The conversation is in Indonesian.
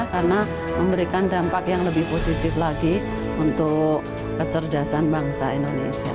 karena memberikan dampak yang lebih positif lagi untuk kecerdasan bangsa indonesia